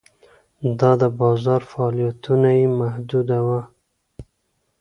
دا د بازار فعالیتونه یې محدوداوه.